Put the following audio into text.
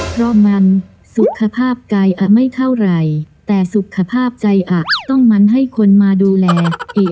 เพราะมันสุขภาพกายอะไม่เท่าไหร่แต่สุขภาพใจอ่ะต้องมันให้คนมาดูแลเอง